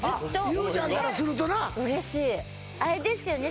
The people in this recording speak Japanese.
ＹＯＵちゃんからするとな嬉しいあれですよね